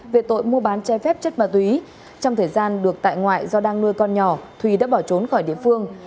về tội mua bán che phép chất ma túy trong thời gian được tại ngoại do đang nuôi con nhỏ thùy đã bỏ trốn khỏi địa phương